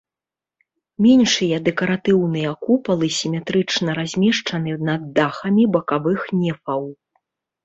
Меншыя дэкаратыўныя купалы сіметрычна размешчаны над дахамі бакавых нефаў.